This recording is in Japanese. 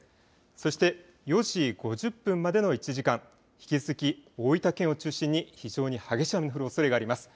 そして４時５０分までの１時間、引き続き大分県を中心に非常に激しい雨の降るおそれがあります。